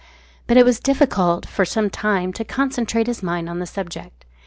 But it was difficult for some time to concentrate his mind on the subject.